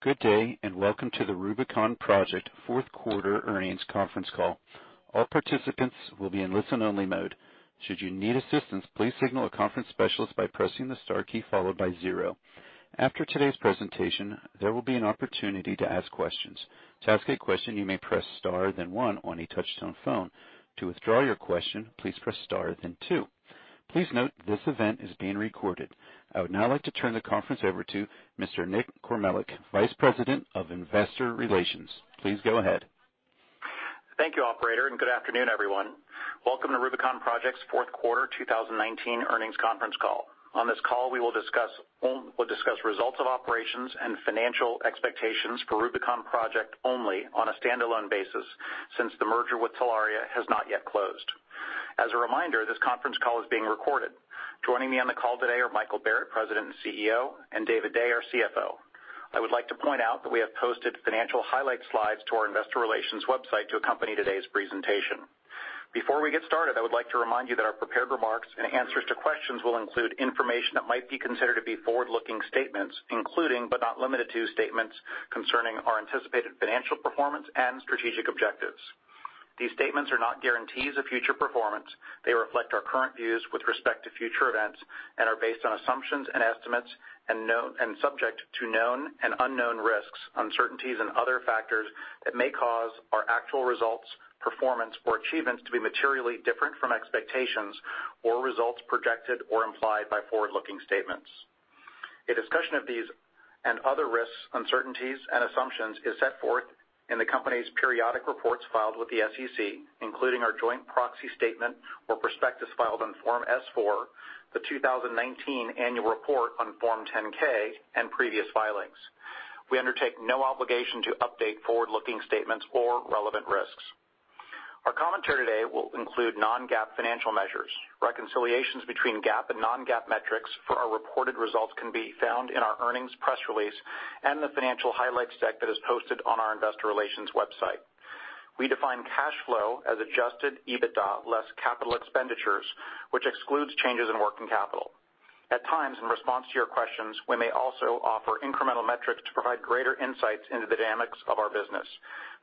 Good day, and welcome to the Rubicon Project fourth quarter earnings conference call. All participants will be in listen-only mode. Should you need assistance, please signal a conference specialist by pressing the star key followed by zero. After today's presentation, there will be an opportunity to ask questions. To ask a question, you may press star then one on a touch-tone phone. To withdraw your question, please press star then two. Please note this event is being recorded. I would now like to turn the conference over to Mr. Nick Kormeluk, Vice President of Investor Relations. Please go ahead. Thank you, operator. Good afternoon, everyone. Welcome to Rubicon Project's fourth quarter 2019 earnings conference call. On this call, we'll discuss results of operations and financial expectations for Rubicon Project only on a standalone basis, since the merger with Telaria has not yet closed. As a reminder, this conference call is being recorded. Joining me on the call today are Michael Barrett, President and CEO, and David Day, our CFO. I would like to point out that we have posted financial highlights slides to our investor relations website to accompany today's presentation. Before we get started, I would like to remind you that our prepared remarks and answers to questions will include information that might be considered to be forward-looking statements, including but not limited to statements concerning our anticipated financial performance and strategic objectives. These statements are not guarantees of future performance. They reflect our current views with respect to future events and are based on assumptions and estimates and subject to known and unknown risks, uncertainties, and other factors that may cause our actual results, performance, or achievements to be materially different from expectations or results projected or implied by forward-looking statements. A discussion of these and other risks, uncertainties, and assumptions is set forth in the company's periodic reports filed with the SEC, including our joint proxy statement or prospectus filed on Form S-4, the 2019 annual report on Form 10-K, and previous filings. We undertake no obligation to update forward-looking statements or relevant risks. Our commentary today will include non-GAAP financial measures. Reconciliations between GAAP and non-GAAP metrics for our reported results can be found in our earnings press release and the financial highlights deck that is posted on our investor relations website. We define cash flow as adjusted EBITDA less capital expenditures, which excludes changes in working capital. At times, in response to your questions, we may also offer incremental metrics to provide greater insights into the dynamics of our business.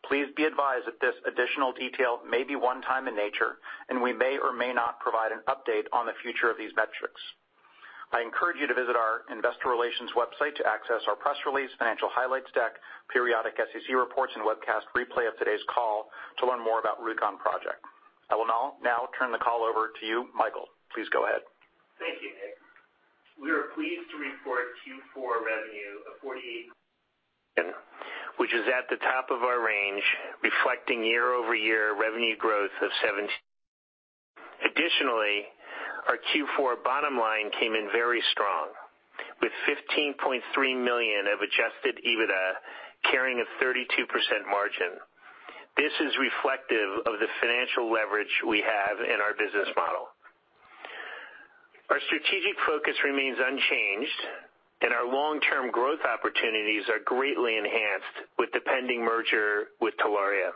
Please be advised that this additional detail may be one time in nature, and we may or may not provide an update on the future of these metrics. I encourage you to visit our investor relations website to access our press release, financial highlights deck, periodic SEC reports, and webcast replay of today's call to learn more about Rubicon Project. I will now turn the call over to you, Michael. Please go ahead. Thank you, Nick. We are pleased to report Q4 revenue of $48.5 million, which is at the top of our range, reflecting year-over-year revenue growth of 17%. Additionally, our Q4 bottom line came in very strong, with $15.3 million of adjusted EBITDA carrying a 32% margin. This is reflective of the financial leverage we have in our business model. Our strategic focus remains unchanged, and our long-term growth opportunities are greatly enhanced with the pending merger with Telaria.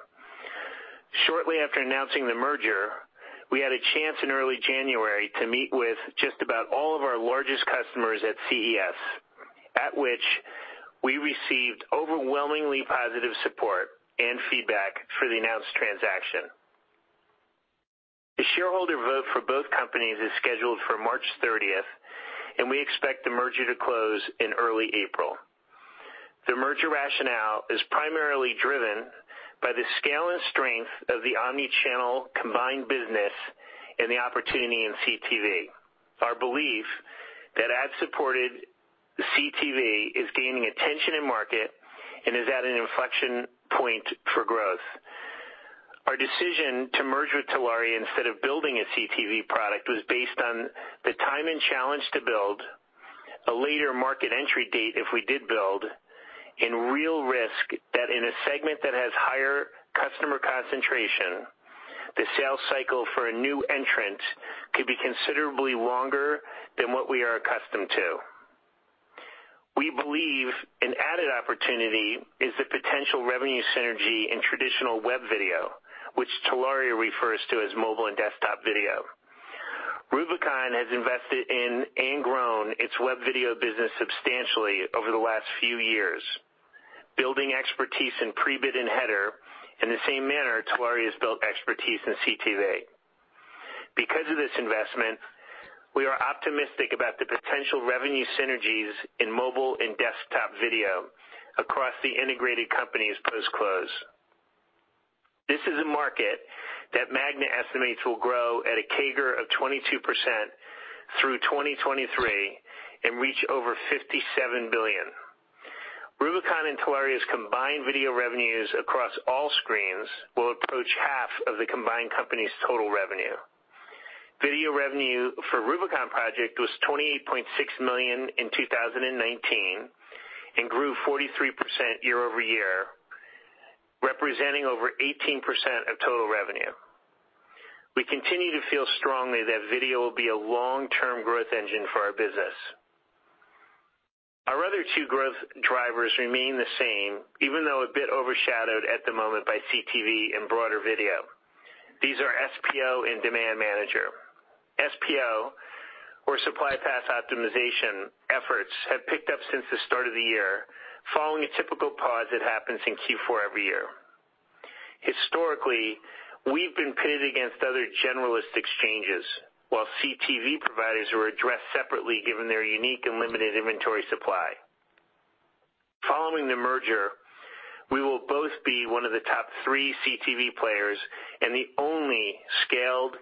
Shortly after announcing the merger, we had a chance in early January to meet with just about all of our largest customers at CES, at which we received overwhelmingly positive support and feedback for the announced transaction. The shareholder vote for both companies is scheduled for March 30th, and we expect the merger to close in early April. The merger rationale is primarily driven by the scale and strength of the omni-channel combined business and the opportunity in CTV. Our belief that ad-supported CTV is gaining attention in market and is at an inflection point for growth. Our decision to merge with Telaria instead of building a CTV product was based on the time and challenge to build, a later market entry date if we did build, and real risk that in a segment that has higher customer concentration, the sales cycle for a new entrant could be considerably longer than what we are accustomed to. We believe an added opportunity is the potential revenue synergy in traditional web video, which Telaria refers to as mobile and desktop video. Rubicon has invested in and grown its web video business substantially over the last few years, building expertise in Prebid and header in the same manner Telaria has built expertise in CTV. Because of this investment, we are optimistic about the potential revenue synergies in mobile and desktop video across the integrated companies post-close. This is a market that MAGNA estimates will grow at a CAGR of 22% through 2023 and reach over $57 billion. Rubicon and Telaria's combined video revenues across all screens will approach half of the combined company's total revenue. Video revenue for Rubicon Project was $28.6 million in 2019 and grew 43% year-over-year, representing over 18% of total revenue. We continue to feel strongly that video will be a long-term growth engine for our business. Our other two growth drivers remain the same, even though a bit overshadowed at the moment by CTV and broader video. These are SPO and Demand Manager. SPO or Supply Path Optimization efforts have picked up since the start of the year, following a typical pause that happens in Q4 every year. Historically, we've been pitted against other generalist exchanges while CTV providers are addressed separately given their unique and limited inventory supply. Following the merger, we will both be one of the top three CTV players and the only scaled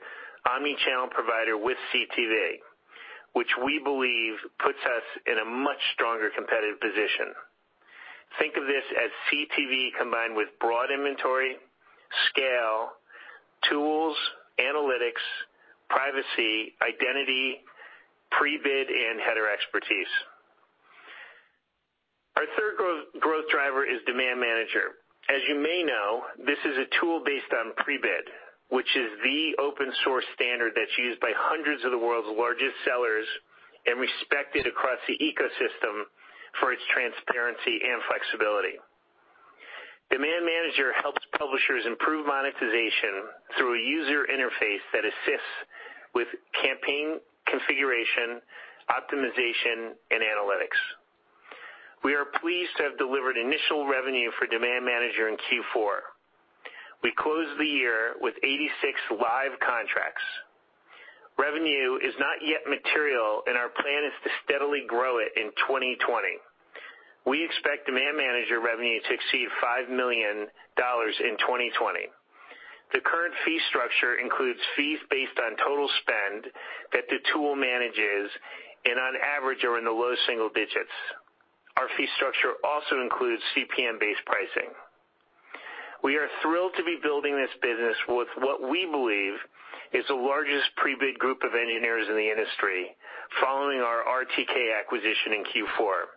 omni-channel provider with CTV, which we believe puts us in a much stronger competitive position. Think of this as CTV combined with broad inventory, scale, tools, analytics, privacy, identity, Prebid, and header expertise. Our third growth driver is Demand Manager. As you may know, this is a tool based on Prebid, which is the open source standard that is used by hundreds of the world's largest sellers and respected across the ecosystem for its transparency and flexibility. Demand Manager helps publishers improve monetization through a user interface that assists with campaign configuration, optimization, and analytics. We are pleased to have delivered initial revenue for Demand Manager in Q4. We closed the year with 86 live contracts. Revenue is not yet material, and our plan is to steadily grow it in 2020. We expect Demand Manager revenue to exceed $5 million in 2020. The current fee structure includes fees based on total spend that the tool manages and on average are in the low single digits. Our fee structure also includes CPM-based pricing. We are thrilled to be building this business with what we believe is the largest Prebid group of engineers in the industry following our RTK acquisition in Q4.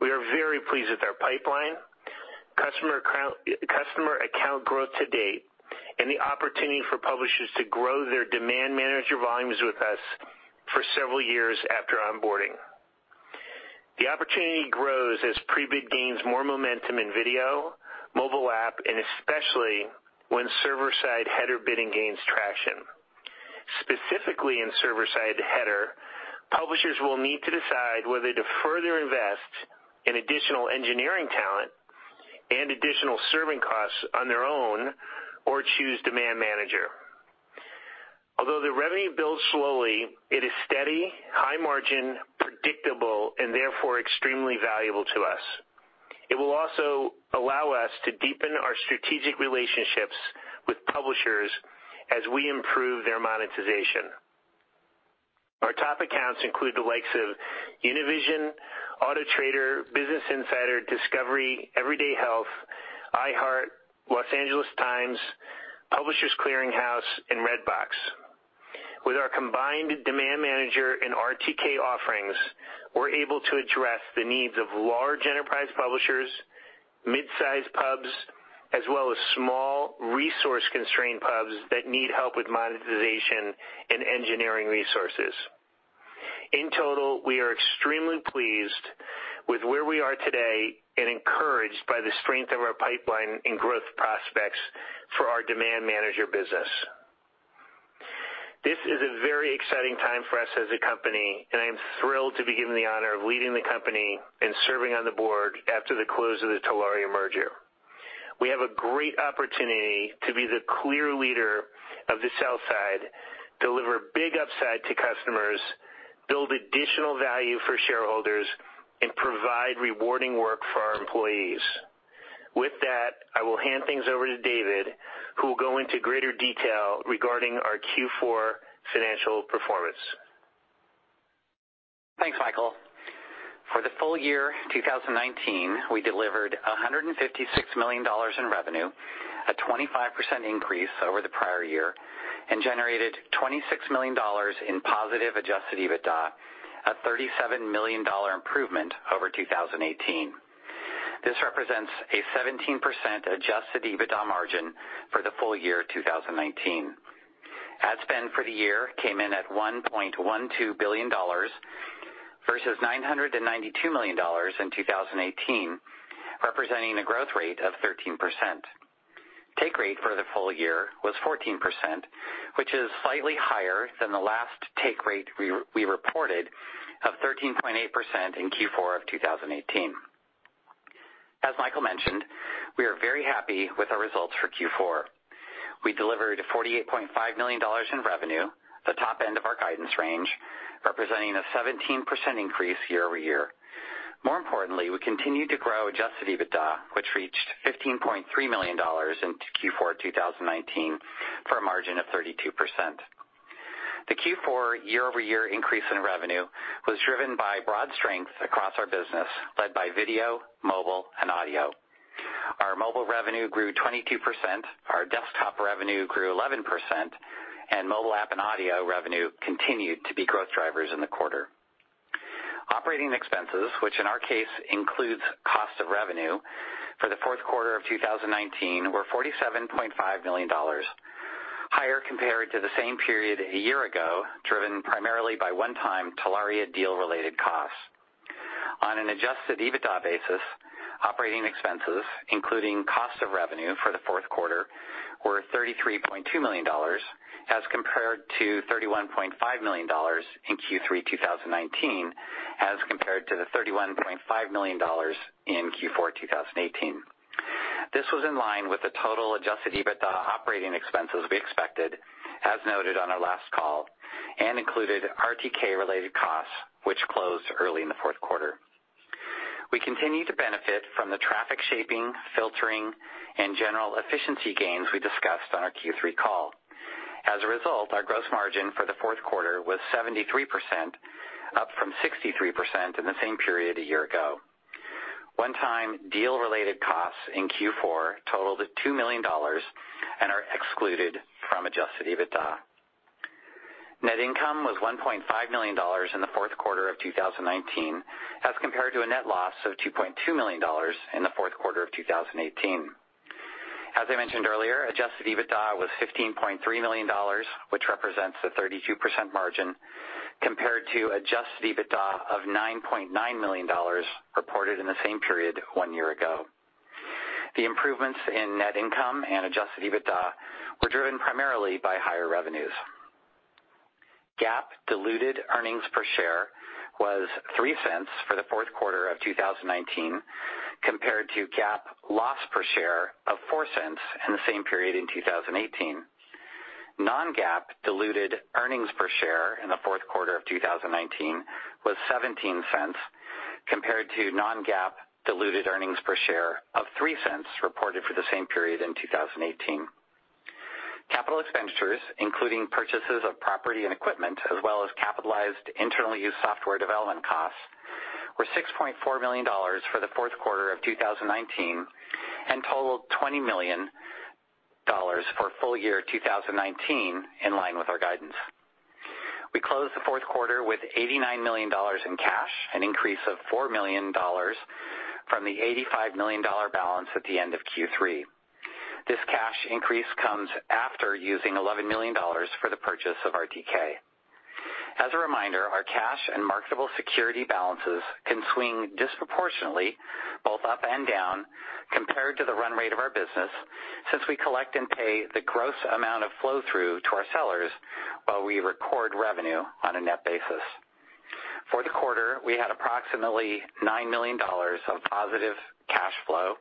We are very pleased with our pipeline, customer account growth to date, and the opportunity for publishers to grow their Demand Manager volumes with us for several years after onboarding. The opportunity grows as Prebid gains more momentum in video, mobile app, and especially when server-side header bidding gains traction. Specifically in server-side header, publishers will need to decide whether to further invest in additional engineering talent and additional serving costs on their own or choose Demand Manager. Although the revenue builds slowly, it is steady, high margin, predictable, and therefore extremely valuable to us. It will also allow us to deepen our strategic relationships with publishers as we improve their monetization. Our top accounts include the likes of Univision, AutoTrader, Business Insider, Discovery, Everyday Health, iHeart, Los Angeles Times, Publishers Clearing House, and Redbox. With our combined Demand Manager and RTK offerings, we're able to address the needs of large enterprise publishers, mid-size pubs, as well as small resource-constrained pubs that need help with monetization and engineering resources. In total, we are extremely pleased with where we are today and encouraged by the strength of our pipeline and growth prospects for our Demand Manager business. This is a very exciting time for us as a company, and I am thrilled to be given the honor of leading the company and serving on the board after the close of the Telaria merger. We have a great opportunity to be the clear leader of the sell side, deliver big upside to customers, build additional value for shareholders, and provide rewarding work for our employees. With that, I will hand things over to David, who will go into greater detail regarding our Q4 financial performance. Thanks, Michael. For the full year 2019, we delivered $156 million in revenue, a 25% increase over the prior year, and generated $26 million in positive adjusted EBITDA, a $37 million improvement over 2018. This represents a 17% adjusted EBITDA margin for the full year 2019. Ad spend for the year came in at $1.12 billion versus $992 million in 2018, representing a growth rate of 13%. Take rate for the full year was 14%, which is slightly higher than the last take rate we reported of 13.8% in Q4 of 2018. As Michael mentioned, we are very happy with our results for Q4. We delivered $48.5 million in revenue, the top end of our guidance range, representing a 17% increase year-over-year. More importantly, we continued to grow adjusted EBITDA, which reached $15.3 million in Q4 2019 for a margin of 32%. The Q4 year-over-year increase in revenue was driven by broad strength across our business, led by video, mobile, and audio. Our mobile revenue grew 22%, our desktop revenue grew 11%, and mobile app and audio revenue continued to be growth drivers in the quarter. Operating expenses, which in our case includes cost of revenue for the fourth quarter of 2019, were $47.5 million, higher compared to the same period a year ago, driven primarily by one-time Telaria deal-related costs. On an adjusted EBITDA basis, operating expenses, including cost of revenue for the fourth quarter, were $33.2 million as compared to $31.5 million in Q3 2019, as compared to the $31.5 million in Q4 2018. This was in line with the total adjusted EBITDA operating expenses we expected, as noted on our last call, and included RTK-related costs, which closed early in the fourth quarter. We continue to benefit from the traffic shaping, filtering, and general efficiency gains we discussed on our Q3 call. As a result, our gross margin for the fourth quarter was 73%, up from 63% in the same period a year ago. One-time deal-related costs in Q4 totaled $2 million and are excluded from adjusted EBITDA. Net income was $1.5 million in the fourth quarter of 2019 as compared to a net loss of $2.2 million in the fourth quarter of 2018. As I mentioned earlier, adjusted EBITDA was $15.3 million, which represents a 32% margin compared to adjusted EBITDA of $9.9 million reported in the same period one year ago. The improvements in net income and adjusted EBITDA were driven primarily by higher revenues. GAAP diluted earnings per share was $0.03 for the fourth quarter of 2019 compared to GAAP loss per share of $0.04 in the same period in 2018. Non-GAAP diluted earnings per share in the fourth quarter of 2019 was $0.17 compared to non-GAAP diluted earnings per share of $0.03 reported for the same period in 2018. Capital expenditures, including purchases of property and equipment, as well as capitalized internally used software development costs, were $6.4 million for the fourth quarter of 2019 and totaled $20 million for full year 2019, in line with our guidance. We closed the fourth quarter with $89 million in cash, an increase of $4 million from the $85 million balance at the end of Q3. This cash increase comes after using $11 million for the purchase of RTK. As a reminder, our cash and marketable security balances can swing disproportionately both up and down compared to the run rate of our business since we collect and pay the gross amount of flow-through to our sellers while we record revenue on a net basis. Fourth quarter, we had approximately $9 million of positive cash flow,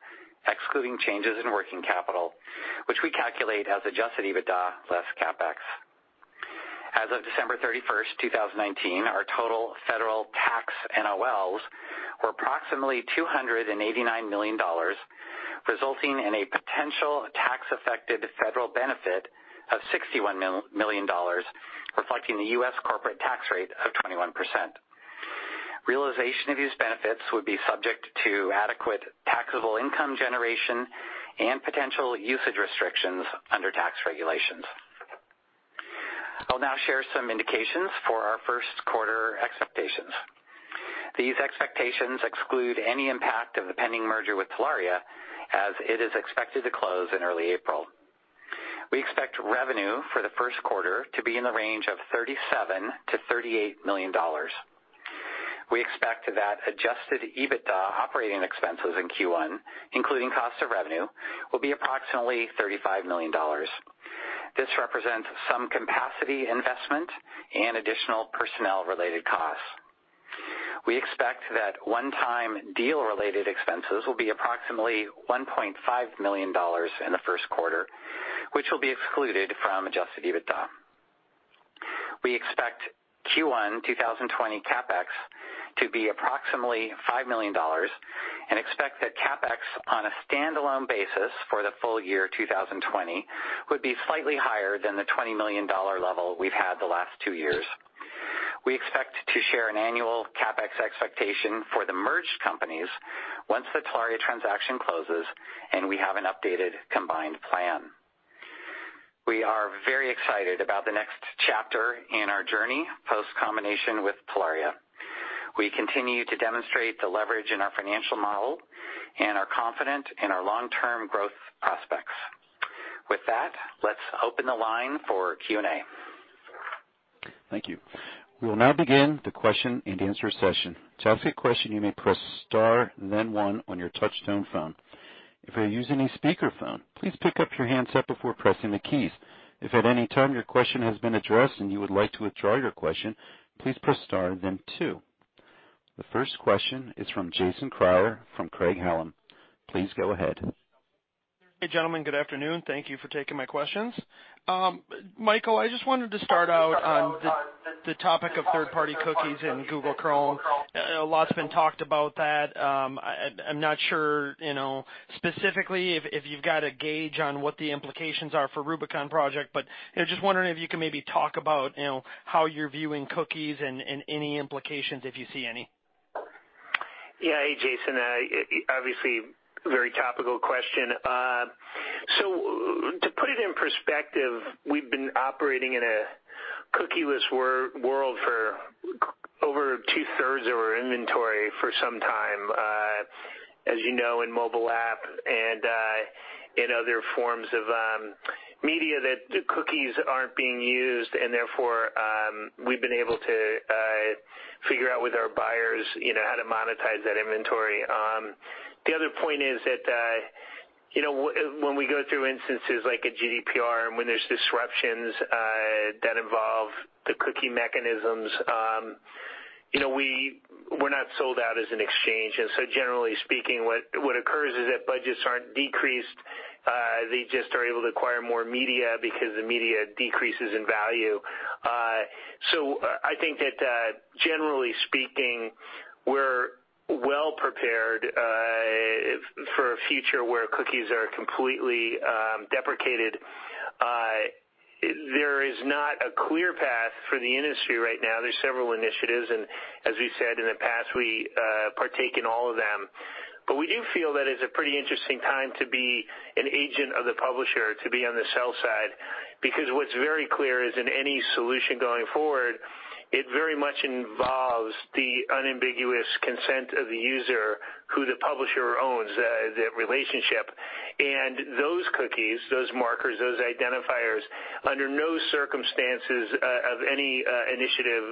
excluding changes in working capital, which we calculate as adjusted EBITDA less CapEx. As of December 31st, 2019, our total federal tax NOLs were approximately $289 million, resulting in a potential tax affected federal benefit of $61 million, reflecting the U.S. corporate tax rate of 21%. Realization of these benefits would be subject to adequate taxable income generation and potential usage restrictions under tax regulations. I'll now share some indications for our first quarter expectations. These expectations exclude any impact of the pending merger with Telaria, as it is expected to close in early April. We expect revenue for the first quarter to be in the range of $37 million-$38 million. We expect that adjusted EBITDA operating expenses in Q1, including cost of revenue, will be approximately $35 million. This represents some capacity investment and additional personnel related costs. We expect that one-time deal related expenses will be approximately $1.5 million in the first quarter, which will be excluded from adjusted EBITDA. We expect Q1 2020 CapEx to be approximately $5 million and expect that CapEx on a standalone basis for the full year 2020 would be slightly higher than the $20 million level we've had the last two years. We expect to share an annual CapEx expectation for the merged companies once the Telaria transaction closes and we have an updated combined plan. We are very excited about the next chapter in our journey post combination with Telaria. We continue to demonstrate the leverage in our financial model and are confident in our long-term growth prospects. With that, let's open the line for Q&A. Thank you. We will now begin the question-and-answer session. To ask a question, you may press star then one on your touch-tone phone. If you are using a speakerphone, please pick up your handset before pressing the keys. If at any time your question has been addressed and you would like to withdraw your question, please press star then two. The first question is from Jason Kreyer from Craig-Hallum. Please go ahead. Hey, gentlemen. Good afternoon. Thank you for taking my questions. Michael, I just wanted to start out on the topic of third-party cookies in Google Chrome. A lot's been talked about that. I'm not sure specifically if you've got a gauge on what the implications are for Rubicon Project. Just wondering if you can maybe talk about how you're viewing cookies and any implications, if you see any. Yeah. Hey, Jason. Obviously, very topical question. To put it in perspective, we've been operating in a cookieless world for over 2/3 of our inventory for some time. As you know, in mobile app and in other forms of media that the cookies aren't being used, and therefore, we've been able to figure out with our buyers how to monetize that inventory. The other point is that when we go through instances like a GDPR and when there's disruptions that involve the cookie mechanisms, we're not sold out as an exchange. Generally speaking, what occurs is that budgets aren't decreased. They just are able to acquire more media because the media decreases in value. I think that generally speaking, we're well-prepared for a future where cookies are completely deprecated. There is not a clear path for the industry right now. There's several initiatives, and as we said in the past, we partake in all of them. We do feel that it's a pretty interesting time to be an agent of the publisher, to be on the sell side, because what's very clear is in any solution going forward, it very much involves the unambiguous consent of the user who the publisher owns the relationship. Those cookies, those markers, those identifiers, under no circumstances of any initiative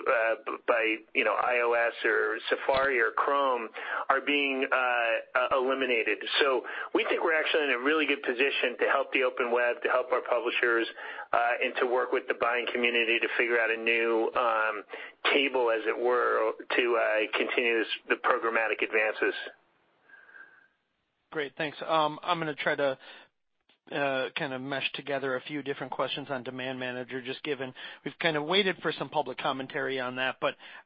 by iOS or Safari or Chrome, are being eliminated. We think we're actually in a really good position to help the open web, to help our publishers, and to work with the buying community to figure out a new table, as it were, to continue the programmatic advances. Great. Thanks. I'm going to try to mesh together a few different questions on Demand Manager, just given we've kind of waited for some public commentary on that.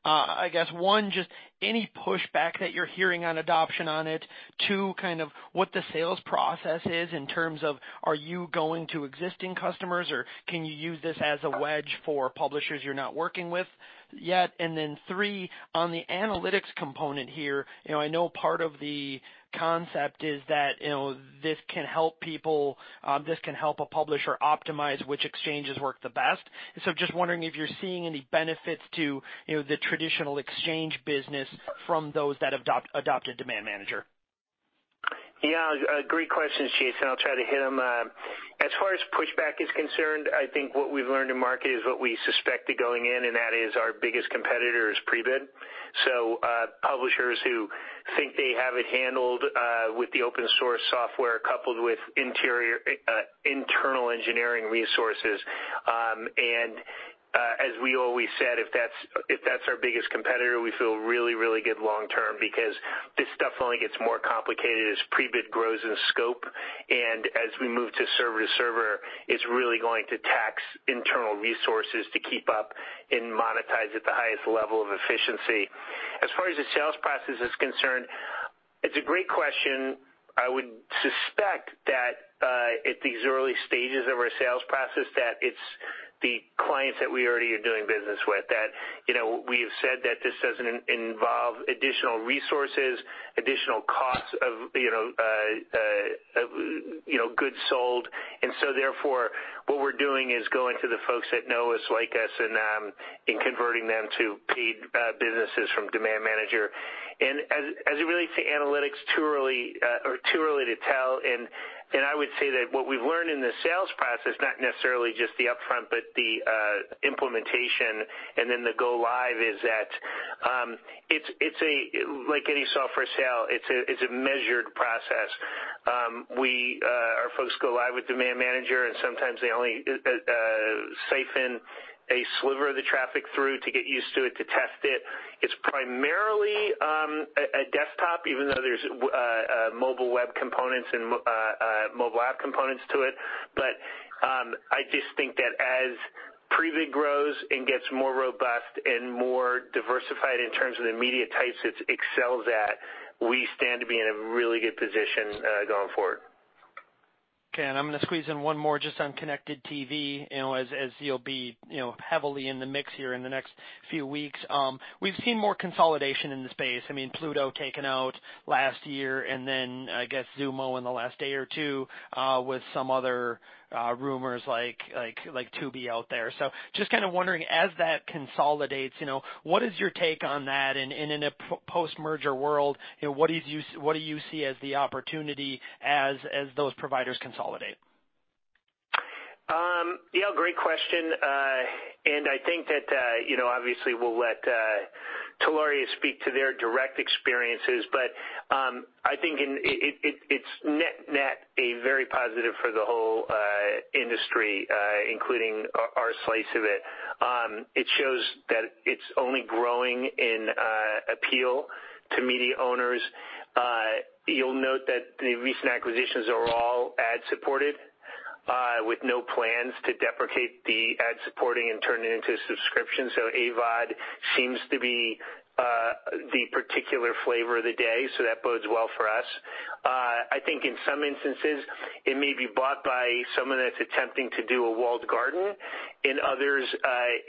I guess, one, just any pushback that you're hearing on adoption on it. Two, what the sales process is in terms of, are you going to existing customers or can you use this as a wedge for publishers you're not working with yet? Then three, on the analytics component here, I know part of the concept is that this can help a publisher optimize which exchanges work the best. So just wondering if you're seeing any benefits to the traditional exchange business from those that adopted Demand Manager. Great questions, Jason. I'll try to hit them. As far as pushback is concerned, I think what we've learned in market is what we suspected going in, that is our biggest competitor is Prebid. Publishers who think they have it handled with the open source software coupled with internal engineering resources. As we always said, if that's our biggest competitor, we feel really, really good long-term because this definitely gets more complicated as Prebid grows in scope and as we move to server, it's really going to tax internal resources to keep up and monetize at the highest level of efficiency. As far as the sales process is concerned, it's a great question. I would suspect that at these early stages of our sales process, that it's the clients that we already are doing business with, that we have said that this doesn't involve additional resources, additional costs of goods sold. Therefore, what we're doing is going to the folks that know us, like us, and converting them to paid businesses from Demand Manager. As it relates to analytics, too early to tell. I would say that what we've learned in the sales process, not necessarily just the upfront, but the implementation and then the go live, is that like any software sale, it's a measured process. Our folks go live with Demand Manager, and sometimes they only siphon a sliver of the traffic through to get used to it, to test it. It's primarily a desktop, even though there's mobile web components and mobile app components to it. I just think that as Prebid grows and gets more robust and more diversified in terms of the media types it excels at, we stand to be in a really good position going forward. Okay. I'm going to squeeze in one more just on connected TV, as you'll be heavily in the mix here in the next few weeks. We've seen more consolidation in the space. Pluto taken out last year, then I guess Xumo in the last day or two with some other rumors like Tubi out there. Just kind of wondering, as that consolidates, what is your take on that? In a post-merger world, what do you see as the opportunity as those providers consolidate? Yeah, great question. I think that, obviously, we'll let Telaria speak to their direct experiences. I think it's net-net a very positive for the whole industry, including our slice of it. It shows that it's only growing in appeal to media owners. You'll note that the recent acquisitions are all ad-supported with no plans to deprecate the ad supporting and turn it into a subscription. AVOD seems to be the particular flavor of the day, so that bodes well for us. I think in some instances, it may be bought by someone that's attempting to do a walled garden. In others,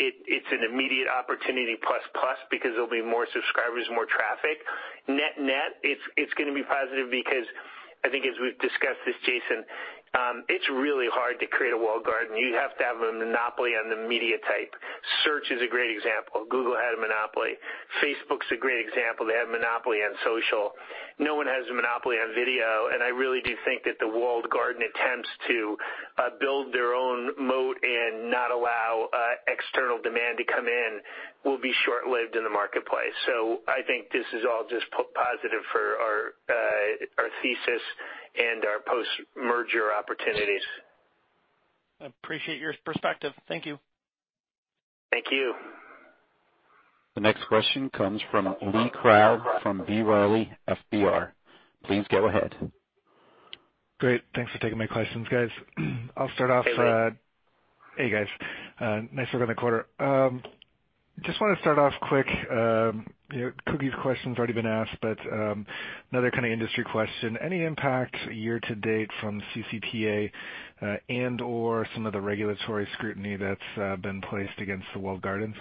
it's an immediate opportunity plus-plus because there'll be more subscribers, more traffic. Net-net, it's going to be positive because I think as we've discussed this, Jason, it's really hard to create a walled garden. You have to have a monopoly on the media type. Search is a great example. Google had a monopoly. Facebook's a great example. They have monopoly on social. No one has a monopoly on video, and I really do think that the walled garden attempts to build their own moat and not allow external demand to come in will be short-lived in the marketplace. I think this is all just positive for our thesis and our post-merger opportunities. I appreciate your perspective. Thank you. Thank you. The next question comes from Lee Krowl from B. Riley FBR. Please go ahead. Great. Thanks for taking my questions, guys. I'll start off. Hey, Lee. Hey, guys. Nice work on the quarter. Just want to start off quick. Cookie's question's already been asked. Another kind of industry question. Any impact year-to-date from CCPA, and/or some of the regulatory scrutiny that's been placed against the walled gardens?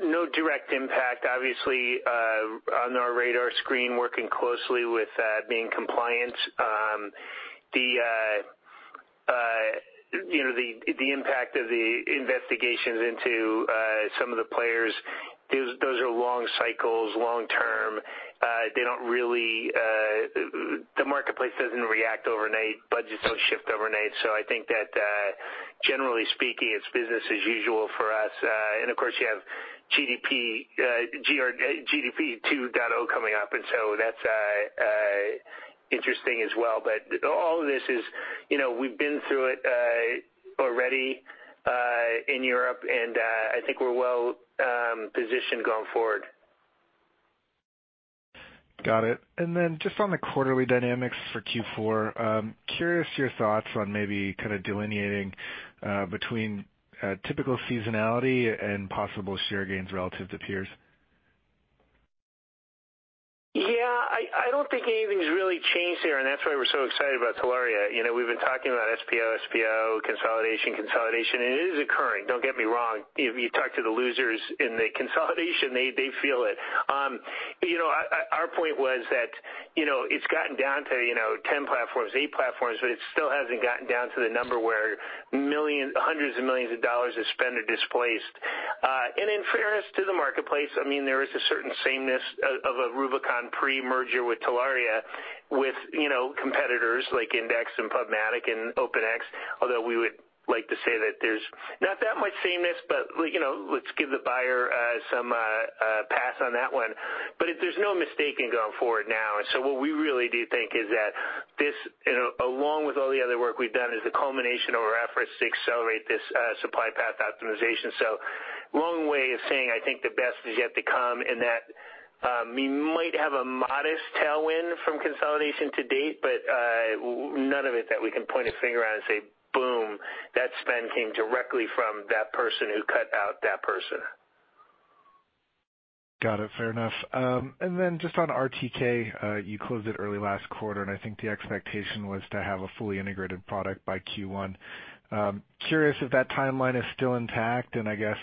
No direct impact. Obviously, on our radar screen, working closely with being compliant. The impact of the investigations into some of the players, those are long cycles, long-term. The marketplace doesn't react overnight. Budgets don't shift overnight. I think that, generally speaking, it's business as usual for us. Of course, you have GDP 2.0 coming up, and so that's interesting as well. All of this is, we've been through it already in Europe, and I think we're well-positioned going forward. Got it. Then just on the quarterly dynamics for Q4, curious your thoughts on maybe kind of delineating between typical seasonality and possible share gains relative to peers? Yeah, I don't think anything's really changed there, and that's why we're so excited about Telaria. We've been talking about SPO, consolidation. It is occurring, don't get me wrong. You talk to the losers in the consolidation, they feel it. Our point was that it's gotten down to 10 platforms, eight platforms, but it still hasn't gotten down to the number where hundreds of millions of dollars of spend are displaced. In fairness to the marketplace, there is a certain sameness of a Rubicon pre-merger with Telaria, with competitors like Index and PubMatic and OpenX, although we would like to say that there's not that much sameness, but let's give the buyer some pass on that one. There's no mistaking going forward now. What we really do think is that this, along with all the other work we've done, is the culmination of our efforts to accelerate this Supply Path Optimization. Long way of saying I think the best is yet to come, and that we might have a modest tailwind from consolidation to date, but none of it that we can point a finger at and say, boom, that spend came directly from that person who cut out that person. Got it. Fair enough. Then just on RTK, you closed it early last quarter, and I think the expectation was to have a fully integrated product by Q1. Curious if that timeline is still intact, and I guess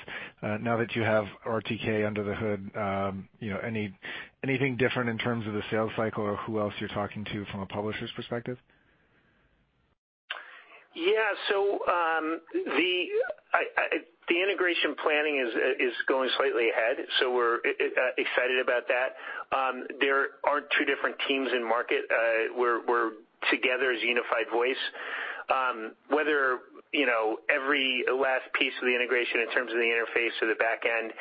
now that you have RTK under the hood, anything different in terms of the sales cycle or who else you're talking to from a publisher's perspective? The integration planning is going slightly ahead. We're excited about that. There aren't two different teams in market. We're together as a unified voice. Whether every last piece of the integration in terms of the interface or the back end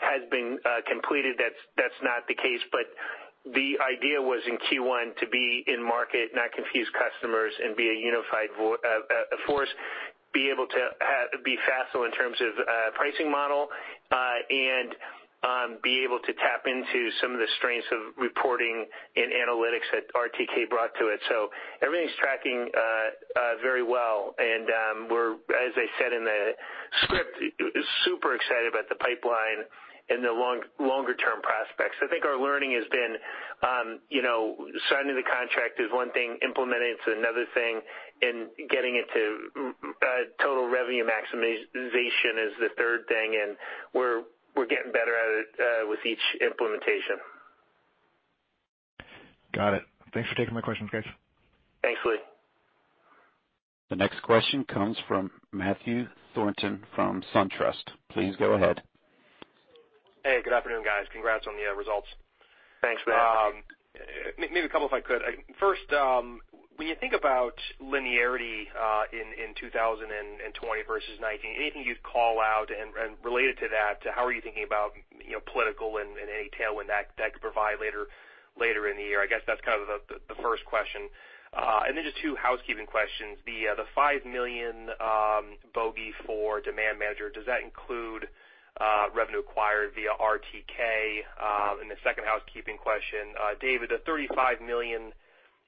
has been completed, that's not the case, but the idea was in Q1 to be in market, not confuse customers and be a unified force, be able to be facile in terms of pricing model, and be able to tap into some of the strengths of reporting and analytics that RTK brought to it. Everything's tracking very well, and we're, as I said in the script, super excited about the pipeline and the longer-term prospects. I think our learning has been signing the contract is one thing, implementing it is another thing, and getting it to total revenue maximization is the third thing, and we're getting better at it with each implementation. Got it. Thanks for taking my questions, guys. Thanks, Lee. The next question comes from Matthew Thornton from SunTrust. Please go ahead. Hey, good afternoon, guys. Congrats on the results. Thanks, Matt. Maybe a couple if I could. First, when you think about linearity in 2020 versus 2019, anything you'd call out? Related to that, how are you thinking about political and any tailwind that could provide later in the year? I guess that's kind of the first question. Then just two housekeeping questions. The $5 million bogey for Demand Manager, does that include revenue acquired via RTK? The second housekeeping question, David, the $35 million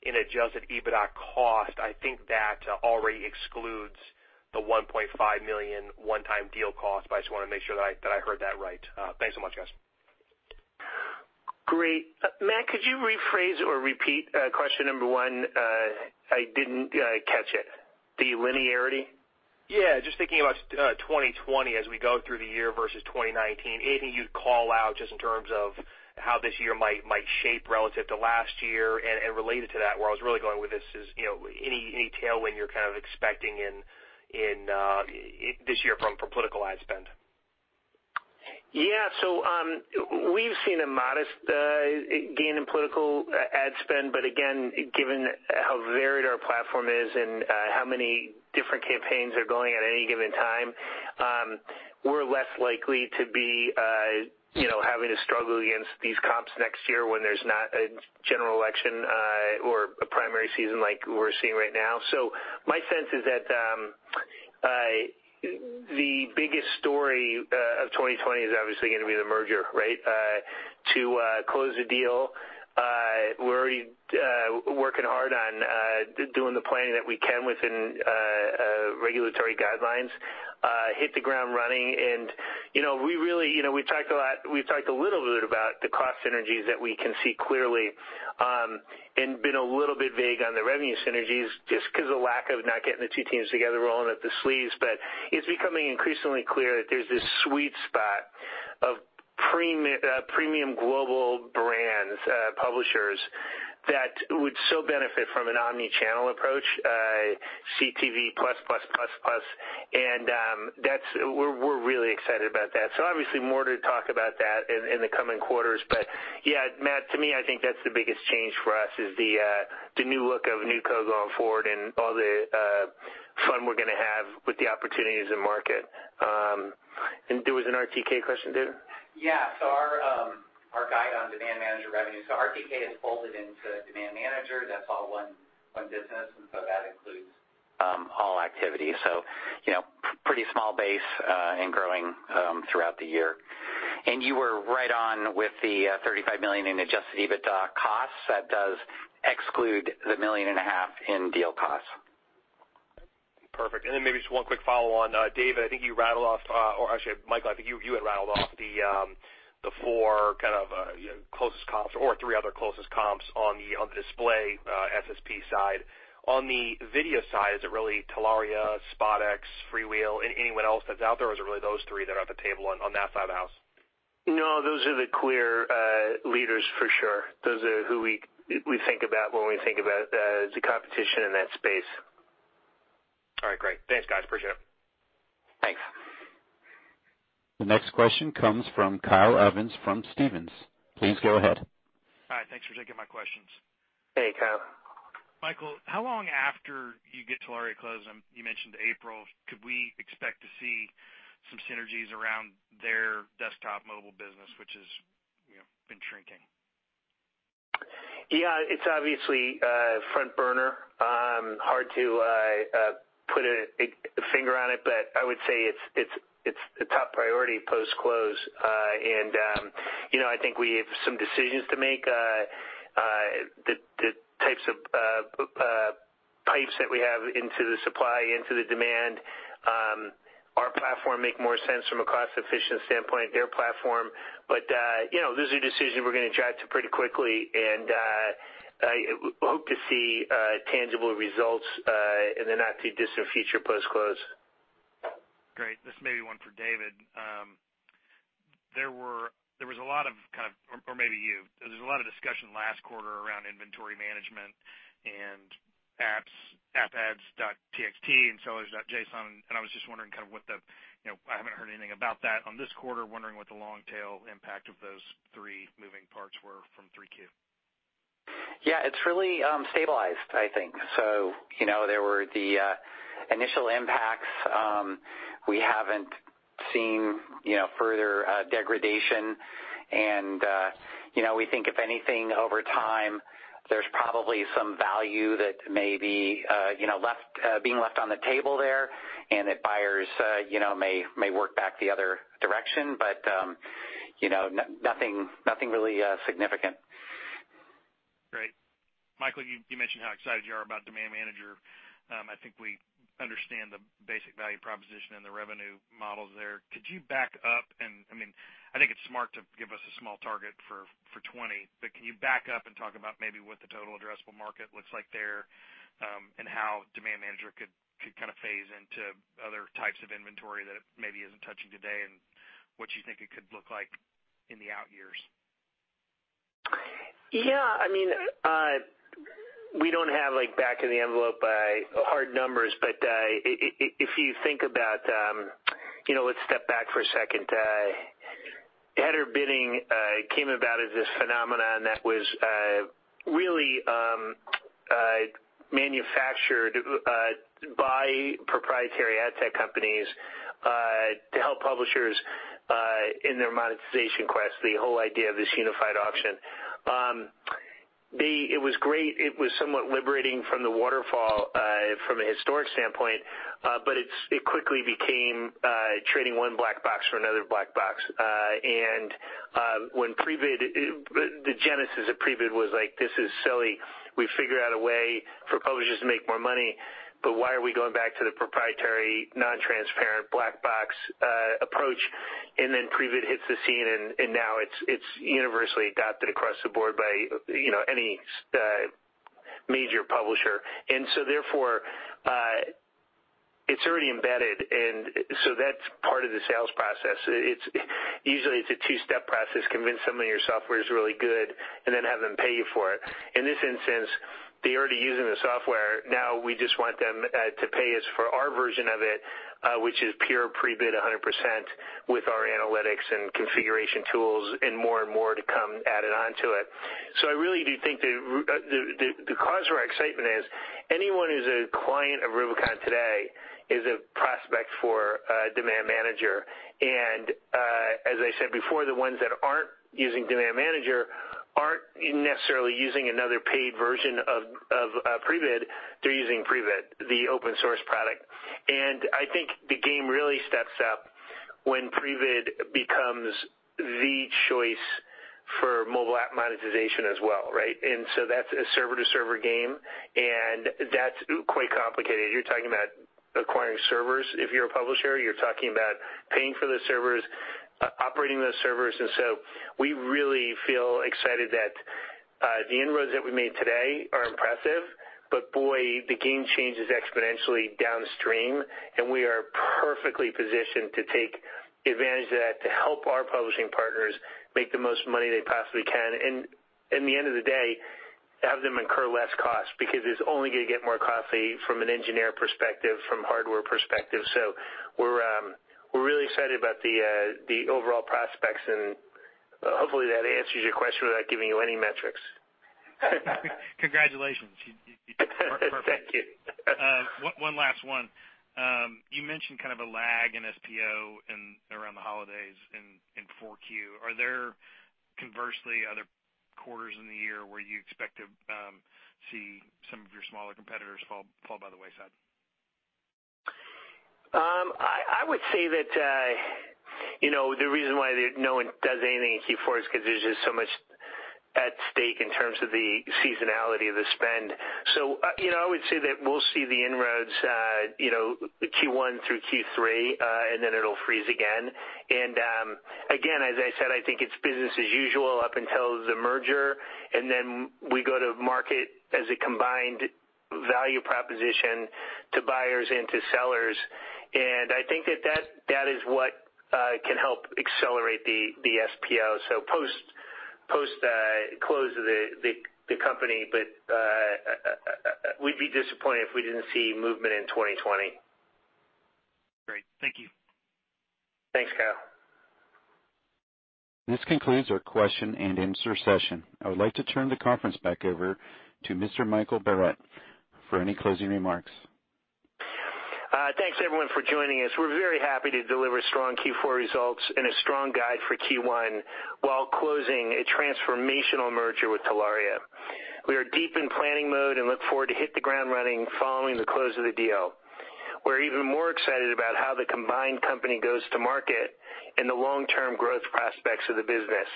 in adjusted EBITDA cost, I think that already excludes the $1.5 million one-time deal cost, but I just want to make sure that I heard that right. Thanks so much, guys. Great. Matt, could you rephrase or repeat question number one? I didn't catch it. The linearity? Yeah. Just thinking about 2020 as we go through the year versus 2019, anything you'd call out just in terms of how this year might shape relative to last year? Related to that, where I was really going with this is, any tailwind you're kind of expecting in this year from political ad spend? Yeah. We've seen a modest gain in political ad spend, but again, given how varied our platform is and how many different campaigns are going at any given time, we're less likely to be having to struggle against these comps next year when there's not a general election or a primary season like we're seeing right now. My sense is that the biggest story of 2020 is obviously going to be the merger, right? To close the deal, we're already working hard on doing the planning that we can within regulatory guidelines, hit the ground running. We talked a little bit about the cost synergies that we can see clearly, and been a little bit vague on the revenue synergies just because of lack of not getting the two teams together rolling up the sleeves. It's becoming increasingly clear that there's this sweet spot of premium global brands, publishers, that would so benefit from an omni-channel approach, CTV plus-plus. We're really excited about that. Obviously more to talk about that in the coming quarters. Yeah, Matt, to me, I think that's the biggest change for us is the new look of NewCo going forward and all the fun we're going to have with the opportunities in market. There was an RTK question too? Our guide on Demand Manager revenue. RTK is folded into Demand Manager. That's all one business, and that includes all activity. Pretty small base, and growing throughout the year. And you were right on with the $35 million in adjusted EBITDA costs. That does exclude the $1.5 million in deal costs. Perfect. Maybe just one quick follow-on. Dave, I think you rattled off, or actually, Michael, I think you had rattled off the four kind of closest comps or three other closest comps on the display, SSP side. On the video side, is it really Telaria, SpotX, FreeWheel, anyone else that's out there, or is it really those three that are at the table on that side of the house? No, those are the clear leaders for sure. Those are who we think about when we think about the competition in that space. All right, great. Thanks, guys. Appreciate it. Thanks. The next question comes from Kyle Evans from Stephens. Please go ahead. Hi. Thanks for taking my questions. Hey, Kyle. Michael, how long after you get Telaria closed, you mentioned April, could we expect to see some synergies around their desktop mobile business, which has been shrinking? Yeah, it's obviously front burner. Hard to put a finger on it, I would say it's a top priority post-close. I think we have some decisions to make. The types of pipes that we have into the supply, into the demand, our platform make more sense from a cost-efficient standpoint, their platform. This is a decision we're going to drive to pretty quickly and hope to see tangible results in the not-too-distant future post-close. Great. This may be one for David. There was a lot of kind of, or maybe you, there was a lot of discussion last quarter around inventory management and app-ads.txt and sellers.json. I was just wondering kind of what the, I haven't heard anything about that on this quarter, wondering what the long tail impact of those three moving parts were from 3Q. Yeah, it's really stabilized, I think. There were the initial impacts. We haven't seen further degradation and, we think if anything over time, there's probably some value that may be being left on the table there and that buyers may work back the other direction. Nothing really significant. Great. Michael, you mentioned how excited you are about Demand Manager. I think we understand the basic value proposition and the revenue models there. Could you back up and, I think it's smart to give us a small target for 2020, but can you back up and talk about maybe what the total addressable market looks like there, and how Demand Manager could kind of phase into other types of inventory that it maybe isn't touching today, and what you think it could look like in the out years? Yeah. We don't have, like, back of the envelope hard numbers. If you think about, let's step back for a second. Header bidding came about as this phenomenon that was really manufactured by proprietary ad tech companies to help publishers in their monetization quest, the whole idea of this unified auction. It was great. It was somewhat liberating from the waterfall, from a historic standpoint. It quickly became trading one black box for another black box. The genesis of Prebid was like, this is silly. We figure out a way for publishers to make more money, but why are we going back to the proprietary, non-transparent black box approach? Prebid hits the scene, and now it's universally adopted across the board by any major publisher. Therefore, it's already embedded, and so that's part of the sales process. Usually, it's a two-step process, convince someone your software is really good and then have them pay you for it. In this instance, they're already using the software, now we just want them to pay us for our version of it, which is pure Prebid 100% with our analytics and configuration tools and more and more to come added onto it. I really do think the cause for our excitement is anyone who's a client of Rubicon today is a prospect for Demand Manager. As I said before, the ones that aren't using Demand Manager aren't necessarily using another paid version of Prebid. They're using Prebid, the open source product. I think the game really steps up when Prebid becomes the choice for mobile app monetization as well, right? That's a server-to-server game, and that's quite complicated. You're talking about acquiring servers if you're a publisher. You're talking about paying for those servers, operating those servers. We really feel excited that the inroads that we made today are impressive. Boy, the game changes exponentially downstream, and we are perfectly positioned to take advantage of that to help our publishing partners make the most money they possibly can. At the end of the day, have them incur less cost because it's only going to get more costly from an engineer perspective, from hardware perspective. We're really excited about the overall prospects and hopefully that answers your question without giving you any metrics. Congratulations. You did perfect. Thank you. One last one. You mentioned kind of a lag in SPO around the holidays in 4Q. Are there conversely other quarters in the year where you expect to see some of your smaller competitors fall by the wayside? I would say that the reason why no one does anything in Q4 is because there's just so much at stake in terms of the seasonality of the spend. I would say that we'll see the inroads Q1 through Q3, and then it'll freeze again. Again, as I said, I think it's business as usual up until the merger, and then we go to market as a combined value proposition to buyers and to sellers. I think that is what can help accelerate the SPO, so post close of the company, but we'd be disappointed if we didn't see movement in 2020. Great. Thank you. Thanks, Kyle. This concludes our question-and-answer session. I would like to turn the conference back over to Mr. Michael Barrett for any closing remarks. Thanks everyone for joining us. We're very happy to deliver strong Q4 results and a strong guide for Q1 while closing a transformational merger with Telaria. We are deep in planning mode and look forward to hit the ground running following the close of the deal. We're even more excited about how the combined company goes to market and the long-term growth prospects of the business.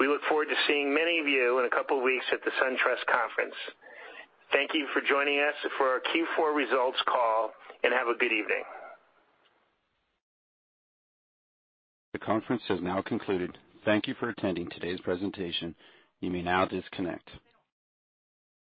We look forward to seeing many of you in a couple of weeks at the SunTrust Conference. Thank you for joining us for our Q4 results call, and have a good evening. The conference has now concluded. Thank you for attending today's presentation. You may now disconnect.